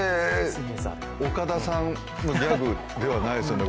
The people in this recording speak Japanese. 岡田さんのギャグじゃないですよね？